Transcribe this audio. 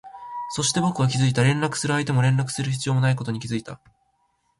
そして、僕は気づいた、連絡する相手も連絡する必要もないことに気づいた